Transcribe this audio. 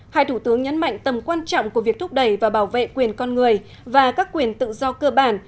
hai thủ tướng nhấn mạnh tầm quan trọng của việc thúc đẩy và bảo vệ quyền con người và các quyền tự do cơ bản